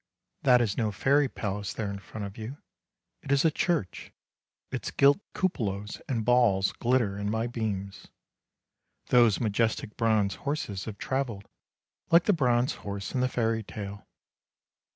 That is no fairy palace there in front of you; it is a church; its gilt cupolas and balls glitter in my beams. Those majestic bronze horses have travelled, like the bronze horse in the fairy tale.